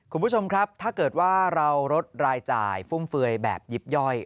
คุณผู้ชมครับถ้าเกิดว่าเราลดรายจ่ายฟุ่มเฟือยแบบยิบย่อย